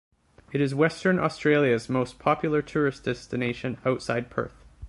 It is Western Australia's most popular tourist destination outside Perth.